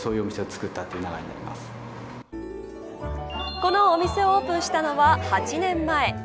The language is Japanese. このお店をオープンしたのは８年前。